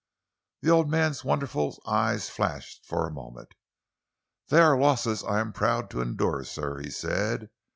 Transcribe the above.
The old man's wonderful eyes flashed for a moment. "They are losses I am proud to endure, sir," he said.